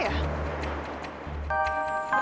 aduh aku mau ke rumah